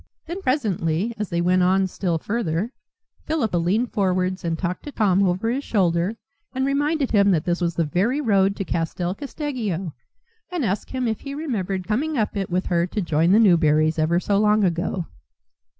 Then presently, as they went on still further, Philippa leaned forwards and talked to Tom over his shoulder and reminded him that this was the very road to Castel Casteggio, and asked him if he remembered coming up it with her to join the Newberry's ever so long ago.